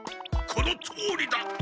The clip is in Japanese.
このとおりだ！